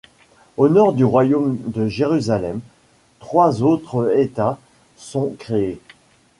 Au nord du Royaume de Jérusalem, trois autres états sont créés.